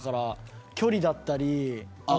距離だったり。